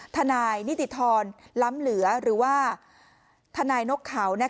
ทนายนิติธรล้ำเหลือหรือว่าทนายนกเขา